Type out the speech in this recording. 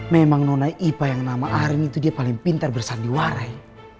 memang nonai ipa yang nama arin itu dia paling pintar bersandiwarai